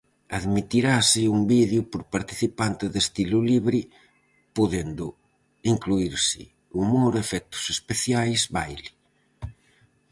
Admitirase un vídeo por participante de estilo libre podendo incluírse humor, efectos especiais, baile...